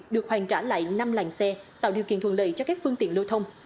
được hoàn trả lại năm làng xe tạo điều kiện thuận lợi cho các phương tiện lưu thông